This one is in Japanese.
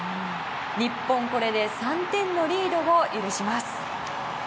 日本、これで３点のリードを許します。